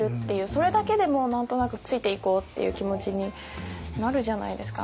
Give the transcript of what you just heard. それだけでも何となくついていこうっていう気持ちになるじゃないですか。